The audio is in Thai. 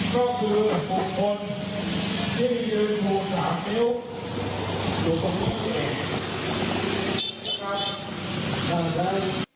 ท่านพี่แท้ครับพร้อมทั้งคล้องป้ายที่มีข้อความว่าทรชักใหญ่อีกด้วยครับ